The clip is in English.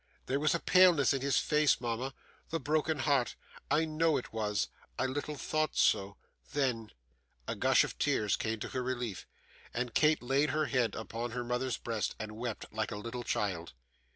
There was a paleness in his face, mama the broken heart I know it was I little thought so then ' A gush of tears came to her relief, and Kate laid her head upon her mother's breast, and wept like a little child.